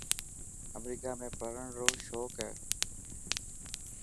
امريڪا ۾ پڙهڻ رو شونيڪ هي.